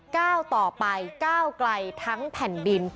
ก้าวต่อไปก้าวไกลทั้งแผ่นดิน